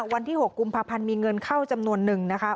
วันที่๖กุมภาพันธ์มีเงินเข้าจำนวนนึงนะคะ